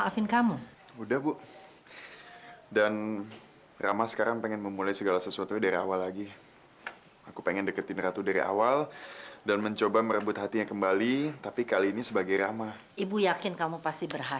sampai jumpa di video selanjutnya